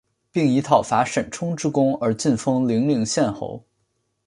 并以讨伐沈充之功而进封零陵县侯。